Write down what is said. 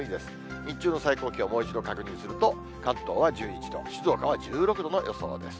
日中の最高気温、もう一度確認すると、関東は１１度、静岡は１６度の予想です。